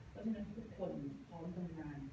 เพราะฉะนั้นทุกคนพร้อมทำงาน